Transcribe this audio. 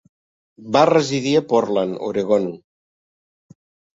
Va residir a Portland, Oregon.